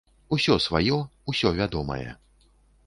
Усё сваё, усё вядомае.